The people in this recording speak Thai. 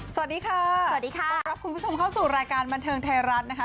สวัสดีค่ะสวัสดีค่ะต้องรับคุณผู้ชมเข้าสู่รายการบันเทิงไทยรัฐนะคะ